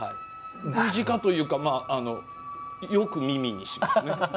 身近というかよく耳にしますね。